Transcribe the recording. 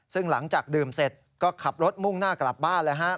ซึ่งหลังจากดื่มเสร็จก็ขับรถมุ่งหน้ากลับบ้านเลยฮะ